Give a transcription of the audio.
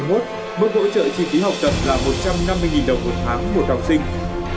mức hỗ trợ chi phí học tập là một trăm năm mươi đồng một tháng một học sinh